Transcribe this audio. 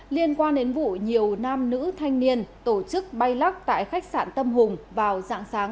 liên quan đến vụ nhiều nam nữ thanh niên tổ chức bay lắc tại khách sạn tâm hùng vào dạng sáng